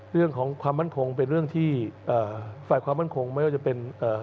เรื่องของความมั่นคงเป็นเรื่องที่เอ่อฝ่ายความมั่นคงไม่ว่าจะเป็นเอ่อ